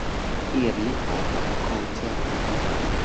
Iri al la koncerto.